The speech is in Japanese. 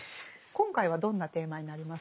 今回はどんなテーマになりますか？